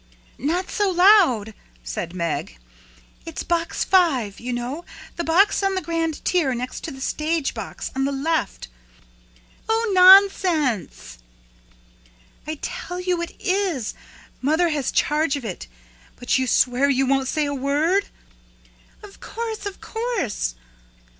"Not so loud!" said Meg. "It's Box Five, you know, the box on the grand tier, next to the stage box, on the left." "Oh, nonsense!" "I tell you it is. Mother has charge of it. But you swear you won't say a word?" "Of course, of course."